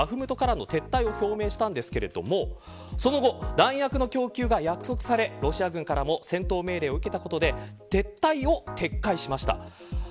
ウクライナ東部の激戦地バフムトからの撤退を表明したんですがその後、弾薬の供給が約束されロシア軍からも戦闘命令を受けたことで撤退を撤回しました。